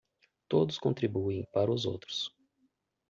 Todos contribuem para os outros